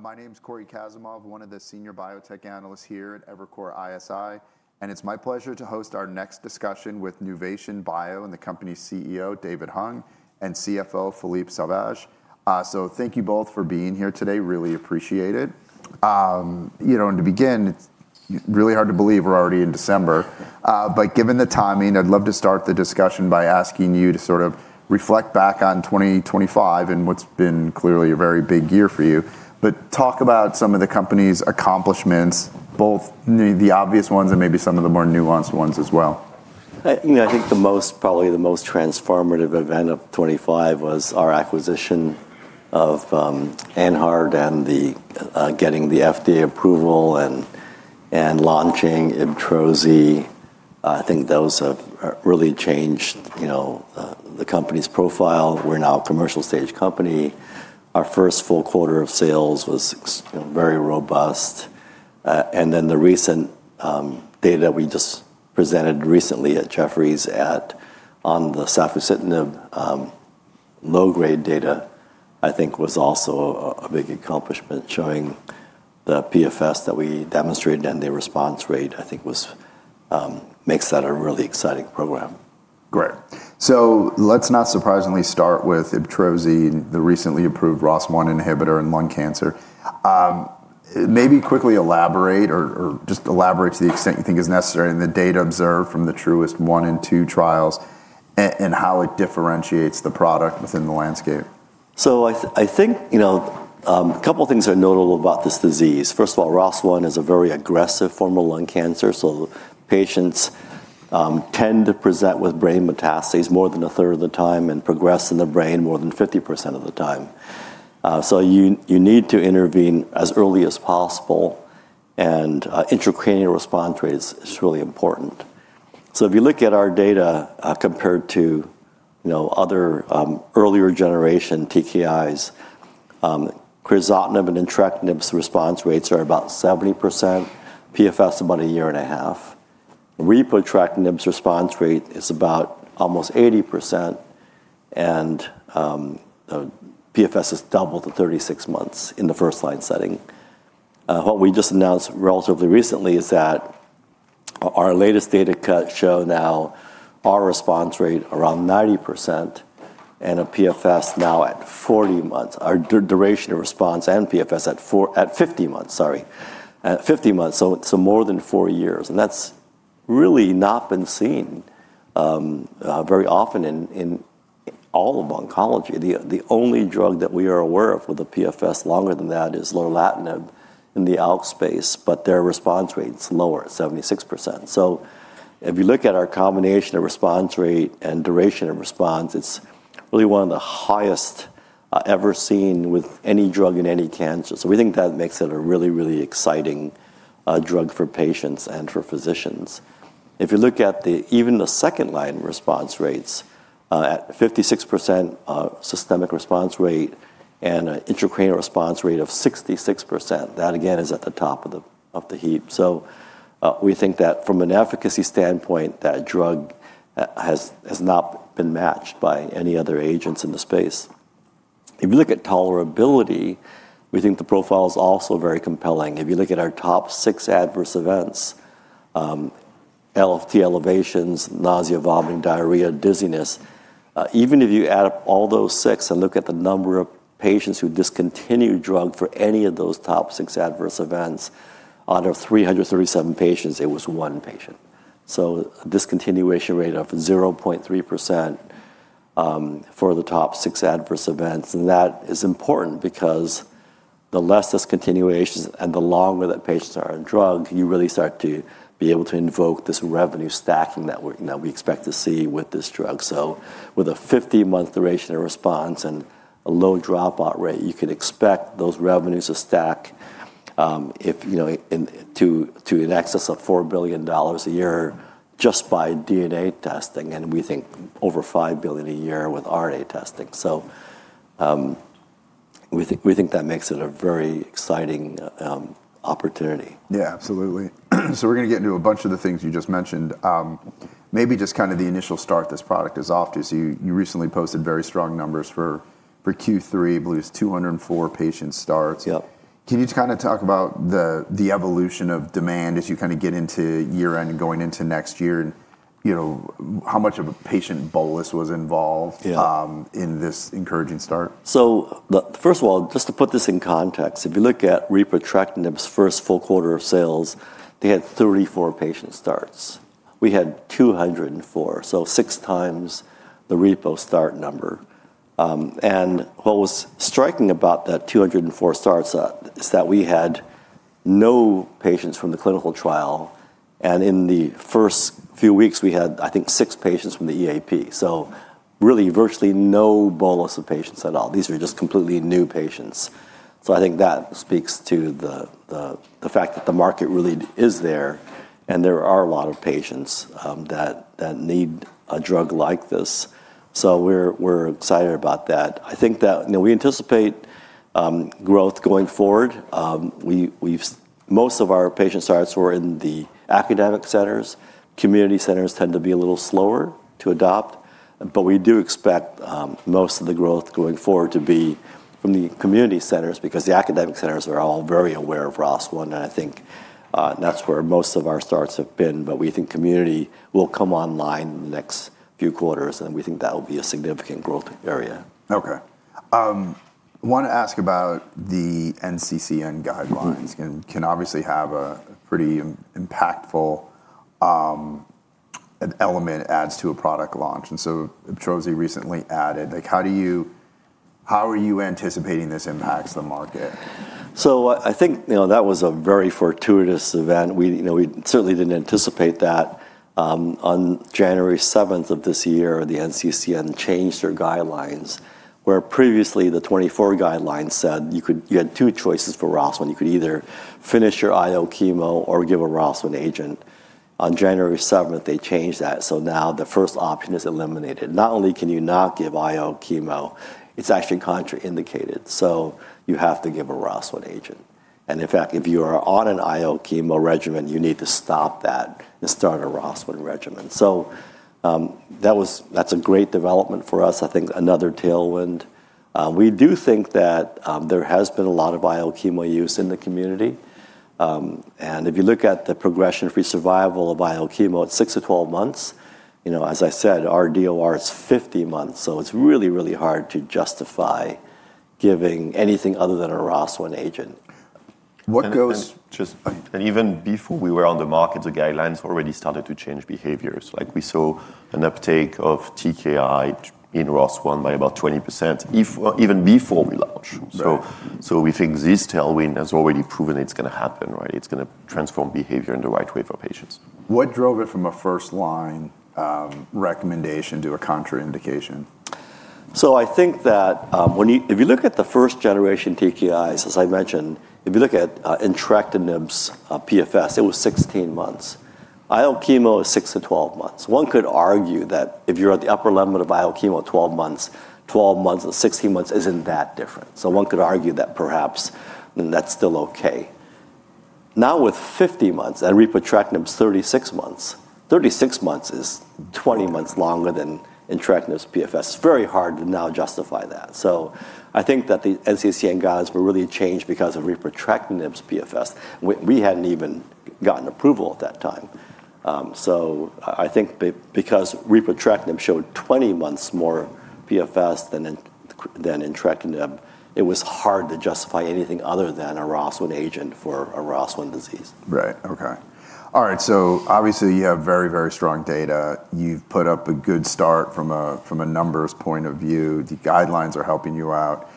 My name is Cory Kasimov, one of the senior biotech analysts here at Evercore ISI, and it's my pleasure to host our next discussion with Nuvation Bio and the company's CEO, David Hung, and CFO, Philippe Sauvage. Thank you both for being here today. Really appreciate it. You know, to begin, it's really hard to believe we're already in December, but given the timing, I'd love to start the discussion by asking you to sort of reflect back on 2025 and what's been clearly a very big year for you. Talk about some of the company's accomplishments, both the obvious ones and maybe some of the more nuanced ones as well. I think the most, probably the most transformative event of 2025 was our acquisition of AnHeart and getting the FDA approval and launching Ibtrozi. I think those have really changed, you know, the company's profile. We're now a commercial stage company. Our first full quarter of sales was very robust. The recent data we just presented recently at Jefferies on the Safusidenib low-grade data, I think, was also a big accomplishment, showing the PFS that we demonstrated and the response rate, I think, makes that a really exciting program. Great. Let's not surprisingly start with Ibtrozi, the recently approved ROS1 inhibitor in lung cancer. Maybe quickly elaborate or just elaborate to the extent you think is necessary on the data observed from the Truist I and II trials and how it differentiates the product within the landscape. I think, you know, a couple of things are notable about this disease. First of all, ROS1 is a very aggressive form of lung cancer, so patients tend to present with brain metastases more than a third of the time and progress in the brain more than 50% of the time. You need to intervene as early as possible, and intracranial response rate is really important. If you look at our data compared to, you know, other earlier generation TKIs, crizotinib and entretinib response rates are about 70%, PFS about a year and a half. Repotretinib response rate is about almost 80%, and PFS is double to 36 months in the first line setting. What we just announced relatively recently is that our latest data show now our response rate around 90% and a PFS now at 40 months, our duration of response and PFS at 50 months, sorry, at 50 months, so more than four years. That is really not been seen very often in all of oncology. The only drug that we are aware of with a PFS longer than that is lorlatinib in the ALK space, but their response rate is lower, 76%. If you look at our combination of response rate and duration of response, it is really one of the highest ever seen with any drug in any cancer. We think that makes it a really, really exciting drug for patients and for physicians. If you look at even the second line response rates at 56% systemic response rate and an intracranial response rate of 66%, that again is at the top of the heap. We think that from an efficacy standpoint, that drug has not been matched by any other agents in the space. If you look at tolerability, we think the profile is also very compelling. If you look at our top six adverse events, LFT elevations, nausea, vomiting, diarrhea, dizziness, even if you add up all those six and look at the number of patients who discontinued drug for any of those top six adverse events, out of 337 patients, it was one patient. Discontinuation rate of 0.3% for the top six adverse events. That is important because the less discontinuations and the longer that patients are on drug, you really start to be able to invoke this revenue stacking that we expect to see with this drug. With a 50-month duration of response and a low dropout rate, you can expect those revenues to stack to an excess of $4 billion a year just by DNA testing, and we think over $5 billion a year with RNA testing. We think that makes it a very exciting opportunity. Yeah, absolutely. We're going to get into a bunch of the things you just mentioned. Maybe just kind of the initial start this product is off to. You recently posted very strong numbers for Q3, I believe it was 204 patient starts. Can you kind of talk about the evolution of demand as you kind of get into year-end and going into next year and, you know, how much of a patient bolus was involved in this encouraging start? First of all, just to put this in context, if you look at repotretinib's first full quarter of sales, they had 34 patient starts. We had 204, so six times the repo start number. What was striking about that 204 starts is that we had no patients from the clinical trial. In the first few weeks, we had, I think, six patients from the EAP. Really virtually no bolus of patients at all. These are just completely new patients. I think that speaks to the fact that the market really is there and there are a lot of patients that need a drug like this. We're excited about that. I think that, you know, we anticipate growth going forward. Most of our patient starts were in the academic centers. Community centers tend to be a little slower to adopt, but we do expect most of the growth going forward to be from the community centers because the academic centers are all very aware of ROS1, and I think that's where most of our starts have been. We think community will come online in the next few quarters, and we think that will be a significant growth area. Okay. I want to ask about the NCCN guidelines. Can obviously have a pretty impactful element adds to a product launch. Ibtrozi recently added, like, how do you, how are you anticipating this impacts the market? I think, you know, that was a very fortuitous event. We certainly did not anticipate that. On January seven of this year, the NCCN changed their guidelines, where previously the 2024 guidelines said you had two choices for ROS1. You could either finish your IO chemo or give a ROS1 agent. On January seven, they changed that. Now the first option is eliminated. Not only can you not give IO chemo, it is actually contraindicated. You have to give a ROS1 agent. In fact, if you are on an IO chemo regimen, you need to stop that and start a ROS1 regimen. That is a great development for us. I think another tailwind. We do think that there has been a lot of IO chemo use in the community. If you look at the progression-free survival of IO chemo at six to 12 months, you know, as I said, our DOR is 50 months. So it's really, really hard to justify giving anything other than a ROS1 agent. What goes just even before we were on the market, the guidelines already started to change behaviors. Like we saw an uptake of TKI in ROS1 by about 20% even before we launched. We think this tailwind has already proven it's going to happen, right? It's going to transform behavior in the right way for patients. What drove it from a first-line recommendation to a contraindication? I think that if you look at the first generation TKIs, as I mentioned, if you look at entretinib's PFS, it was 16 months. IO chemo is 6-12 months. One could argue that if you're at the upper limit of IO chemo, 12 months, 12 months and 16 months isn't that different. One could argue that perhaps that's still okay. Now with 50 months and repotretinib's 36 months, 36 months is 20 months longer than entretinib's PFS. It's very hard to now justify that. I think that the NCCN guidelines were really changed because of repotretinib's PFS. We hadn't even gotten approval at that time. I think because repotretinib showed 20 months more PFS than entretinib, it was hard to justify anything other than a ROS1 agent for a ROS1 disease. Right. Okay. All right. Obviously you have very, very strong data. You've put up a good start from a numbers point of view. The guidelines are helping you out.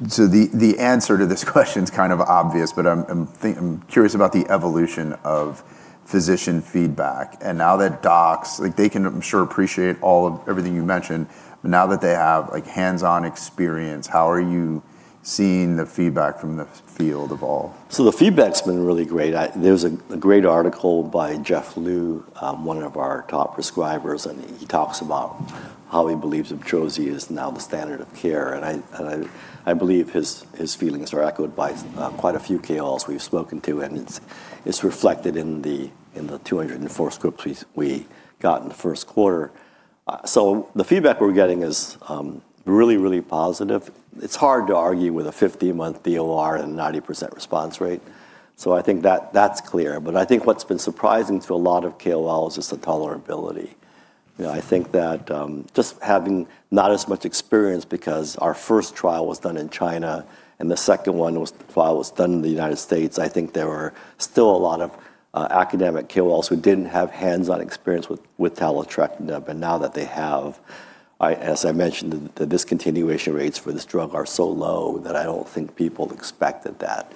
The answer to this question is kind of obvious, but I'm curious about the evolution of physician feedback. Now that docs, like they can, I'm sure, appreciate everything you mentioned, but now that they have hands-on experience, how are you seeing the feedback from the field evolve? The feedback's been really great. There was a great article by Jeff Liu, one of our top prescribers, and he talks about how he believes Ibtrozi is now the standard of care. I believe his feelings are echoed by quite a few KOLs we've spoken to, and it's reflected in the 204 scripts we got in the first quarter. The feedback we're getting is really, really positive. It's hard to argue with a 50-month DOR and a 90% response rate. I think that's clear. I think what's been surprising to a lot of KOLs is the tolerability. I think that just having not as much experience because our first trial was done in China and the second trial was done in the United States, there were still a lot of academic KOLs who didn't have hands-on experience with taletrectinib. Now that they have, as I mentioned, the discontinuation rates for this drug are so low that I do not think people expected that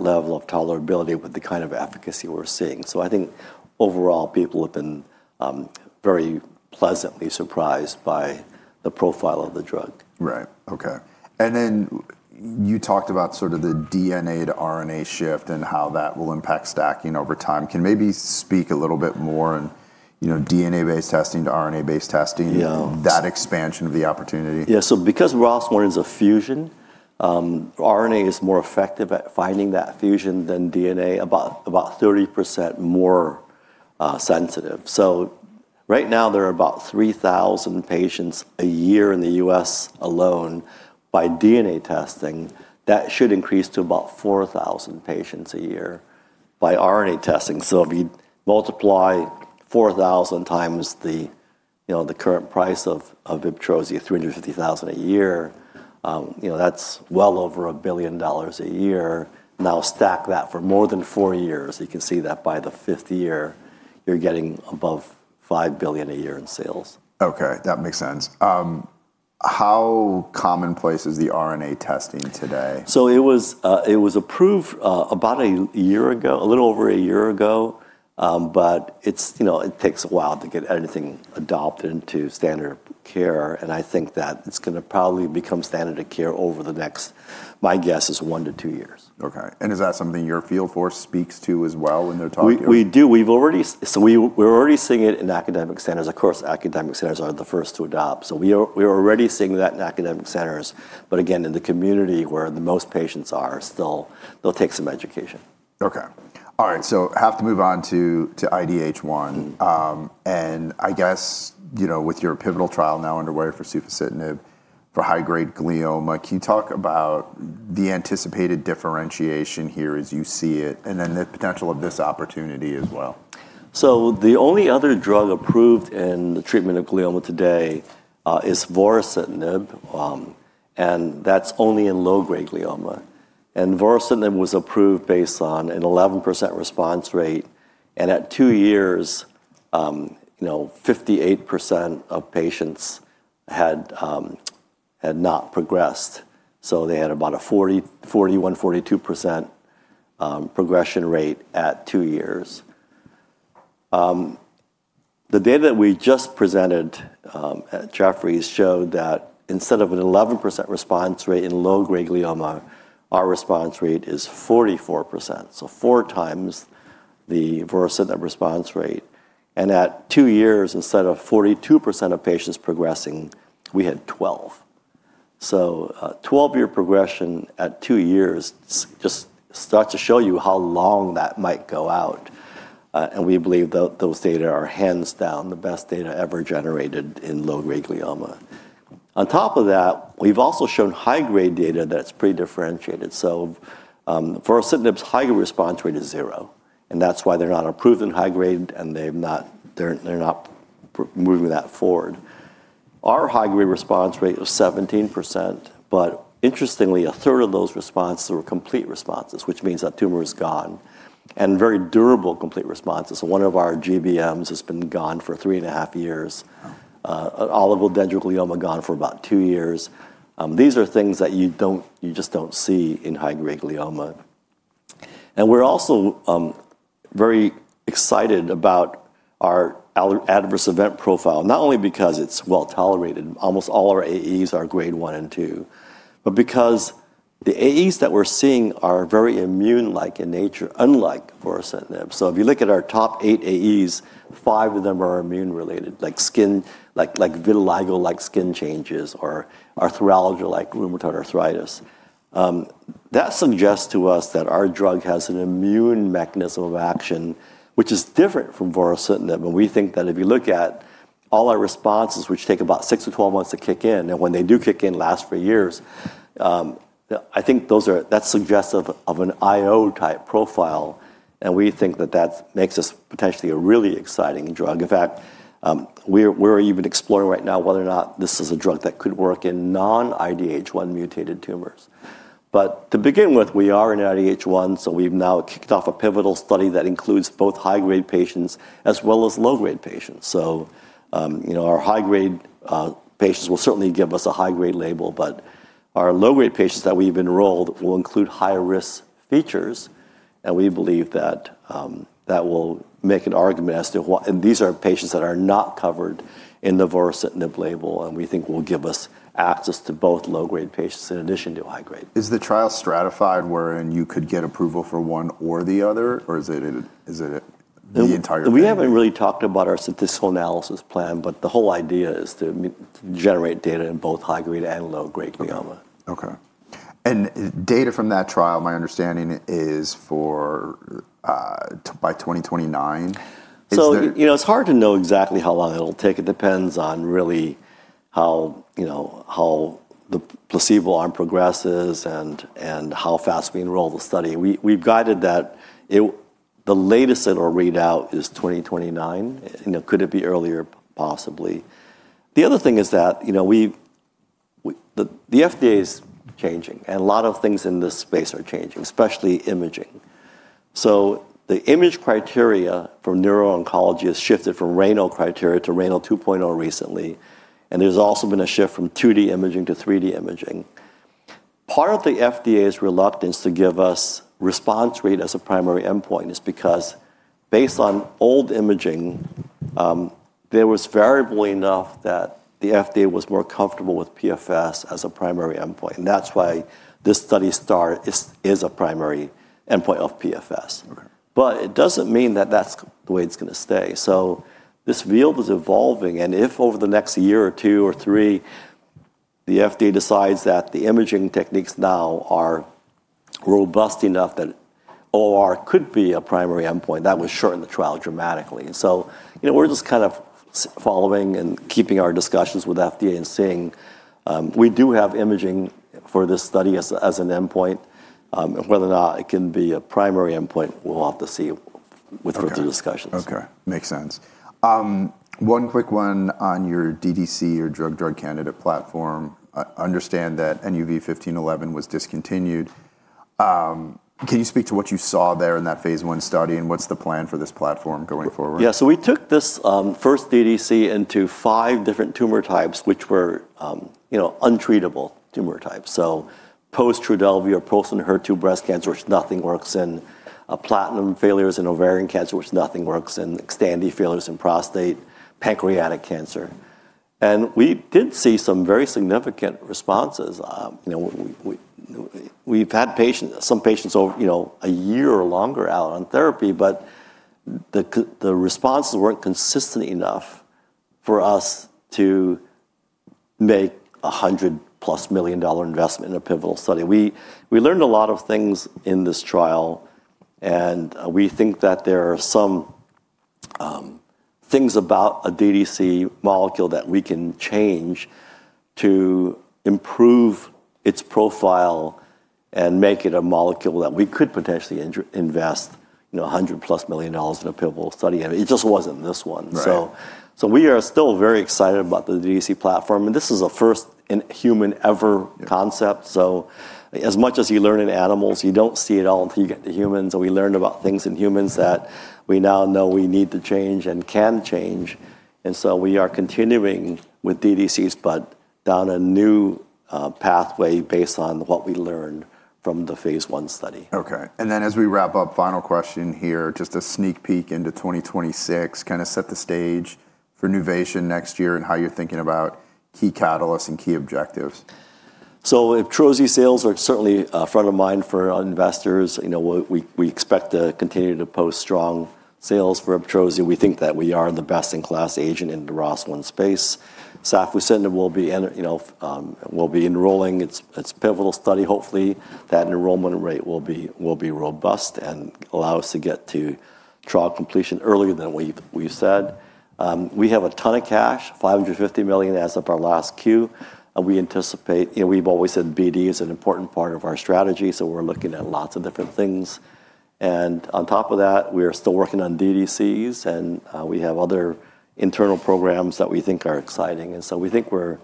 level of tolerability with the kind of efficacy we are seeing. I think overall people have been very pleasantly surprised by the profile of the drug. Right. Okay. You talked about sort of the DNA to RNA shift and how that will impact stacking over time. Can you maybe speak a little bit more on, you know, DNA-based testing to RNA-based testing, that expansion of the opportunity? Yeah. Because ROS1 is a fusion, RNA is more effective at finding that fusion than DNA, about 30% more sensitive. Right now there are about 3,000 patients a year in the U.S. alone by DNA testing. That should increase to about 4,000 patients a year by RNA testing. If you multiply 4,000 times the current price of Ibtrozi, $350,000 a year, you know, that's well over a billion dollars a year. Now stack that for more than four years, you can see that by the fifth year you're getting above $5 billion a year in sales. Okay. That makes sense. How commonplace is the RNA testing today? It was approved about a year ago, a little over a year ago, but it takes a while to get anything adopted into standard of care. I think that it's going to probably become standard of care over the next, my guess is one to two years. Okay. Is that something your field force speaks to as well when they're talking? We do. We've already, so we're already seeing it in academic centers. Of course, academic centers are the first to adopt. We're already seeing that in academic centers. Again, in the community where the most patients are, still they'll take some education. Okay. All right. Have to move on to IDH1. I guess, you know, with your pivotal trial now underway for Safusidenib for high-grade glioma, can you talk about the anticipated differentiation here as you see it and then the potential of this opportunity as well? The only other drug approved in the treatment of glioma today is vorasidenib, and that's only in low-grade glioma. Vorasidenib was approved based on an 11% response rate. At two years, you know, 58% of patients had not progressed. They had about a 41-42% progression rate at two years. The data that we just presented at Jefferies showed that instead of an 11% response rate in low-grade glioma, our response rate is 44%. Four times the vorasidenib response rate. At two years, instead of 42% of patients progressing, we had 12. Twelve percent progression at two years just starts to show you how long that might go out. We believe that those data are hands down the best data ever generated in low-grade glioma. On top of that, we've also shown high-grade data that's pretty differentiated. Vorasidenib's high-grade response rate is zero. That is why they are not approved in high-grade and they are not moving that forward. Our high-grade response rate was 17%, but interestingly, a third of those responses were complete responses, which means that tumor is gone and very durable complete responses. One of our GBMs has been gone for three and a half years. Oligodendroglioma gone for about two years. These are things that you just do not see in high-grade glioma. We are also very excited about our adverse event profile, not only because it is well tolerated, almost all our AEs are grade one and two, but because the AEs that we are seeing are very immune-like in nature, unlike vorasidenib. If you look at our top eight AEs, five of them are immune-related, like vitiligo-like skin changes or arthralgia-like rheumatoid arthritis. That suggests to us that our drug has an immune mechanism of action, which is different from vorasidenib. We think that if you look at all our responses, which take about 6 to 12 months to kick in, and when they do kick in, last for years, I think that's suggestive of an IO-type profile. We think that that makes us potentially a really exciting drug. In fact, we're even exploring right now whether or not this is a drug that could work in non-IDH1 mutated tumors. To begin with, we are in IDH1, so we've now kicked off a pivotal study that includes both high-grade patients as well as low-grade patients. You know, our high-grade patients will certainly give us a high-grade label, but our low-grade patients that we've enrolled will include high-risk features. We believe that that will make an argument as to what, and these are patients that are not covered in the vorasidenib label, and we think will give us access to both low-grade patients in addition to high-grade. Is the trial stratified wherein you could get approval for one or the other, or is it the entire thing? We haven't really talked about our statistical analysis plan, but the whole idea is to generate data in both high-grade and low-grade glioma. Okay. Data from that trial, my understanding is for by 2029. You know, it's hard to know exactly how long it'll take. It depends on really how, you know, how the placebo arm progresses and how fast we enroll the study. We've guided that the latest it'll read out is 2029. You know, could it be earlier? Possibly. The other thing is that, you know, the FDA is changing, and a lot of things in this space are changing, especially imaging. The image criteria for neurooncology has shifted from RANO criteria to RANO 2.0 recently. There's also been a shift from 2D imaging to 3D imaging. Part of the FDA's reluctance to give us response rate as a primary endpoint is because based on old imaging, there was variable enough that the FDA was more comfortable with PFS as a primary endpoint. That's why this study start is a primary endpoint of PFS. It doesn't mean that that's the way it's going to stay. This field is evolving. If over the next year or two or three, the FDA decides that the imaging techniques now are robust enough that OR could be a primary endpoint, that would shorten the trial dramatically. You know, we're just kind of following and keeping our discussions with the FDA and seeing. We do have imaging for this study as an endpoint. Whether or not it can be a primary endpoint, we'll have to see with further discussions. Okay. Makes sense. One quick one on your DDC, your drug-drug candidate platform. I understand that NUV1511 was discontinued. Can you speak to what you saw there in that phase one study and what's the plan for this platform going forward? Yeah. We took this first DDC into five different tumor types, which were, you know, untreatable tumor types. Post-Trodelvy or post-HER2 breast cancer, which nothing works, and platinum failures in ovarian cancer, which nothing works, and Xtandi failures in prostate, pancreatic cancer. We did see some very significant responses. You know, we've had some patients, you know, a year or longer out on therapy, but the responses weren't consistent enough for us to make a $100 million-plus investment in a pivotal study. We learned a lot of things in this trial, and we think that there are some things about a DDC molecule that we can change to improve its profile and make it a molecule that we could potentially invest, you know, $100 million-plus in a pivotal study. It just wasn't this one. We are still very excited about the DDC platform. This is a first in human-ever concept. As much as you learn in animals, you do not see it all until you get to humans. We learned about things in humans that we now know we need to change and can change. We are continuing with DDCs, but down a new pathway based on what we learned from the phase one study. Okay. As we wrap up, final question here, just a sneak peek into 2026, kind of set the stage for Nuvation next year and how you're thinking about key catalysts and key objectives. Ibtrozi sales are certainly front of mind for investors. You know, we expect to continue to post strong sales for Ibtrozi. We think that we are the best-in-class agent in the ROS1 space. Safusidenib will be enrolling. It's a pivotal study. Hopefully, that enrollment rate will be robust and allow us to get to trial completion earlier than we said. We have a ton of cash, $550 million as of our last quarter. We anticipate, you know, we've always said BD is an important part of our strategy. We are looking at lots of different things. On top of that, we are still working on DDCs, and we have other internal programs that we think are exciting. We think we're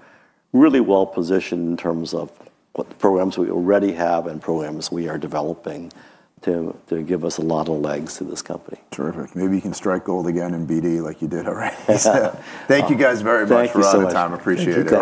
really well positioned in terms of what programs we already have and programs we are developing to give us a lot of legs to this company. Terrific. Maybe you can strike gold again in BD like you did already. Thank you guys very much for all your time. Appreciate it.